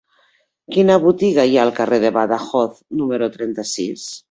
Quina botiga hi ha al carrer de Badajoz número trenta-sis?